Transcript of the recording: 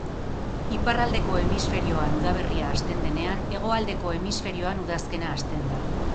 Iparraldeko hemisferioan udaberria hasten denean, hegoaldeko hemisferioan udazkena hasten da.